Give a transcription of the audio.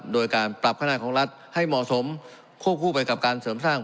โดยการปรับคณะของรัฐให้เหมาะสมควบคู่ไปกับการเสริมสร้าง